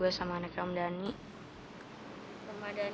dia baik baik aja